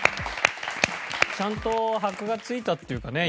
ちゃんと箔が付いたっていうかね